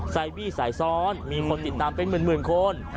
ไซบี้สายซ้อนมีคนติดตามเป็นหมื่นคน